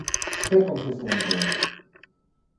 Sé com se senten.